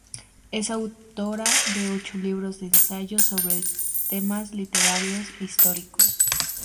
Es autora de ocho libros de ensayos sobre temas literarios e históricos.